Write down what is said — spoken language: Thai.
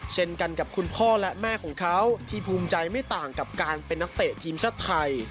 เช่นกันกับคุณพ่อและแม่ของเขาที่ภูมิใจไม่ต่างกับการเป็นนักเตะทีมชาติไทย